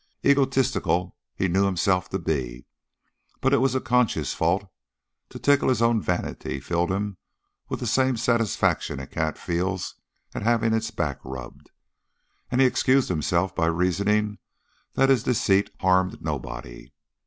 Egotistical he knew himself to be, but it was a conscious fault; to tickle his own vanity filled him with the same satisfaction a cat feels at having its back rubbed, and he excused himself by reasoning that his deceit harmed nobody.